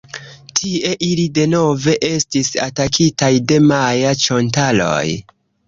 Tie ili denove estis atakitaj de maja-ĉontaloj.